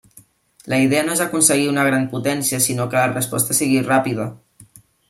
La idea no és aconseguir una gran potència, sinó que la resposta sigui ràpida.